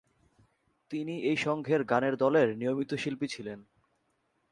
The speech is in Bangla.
তিনি এই সংঘের গানের দলের নিয়মিত শিল্পী ছিলেন।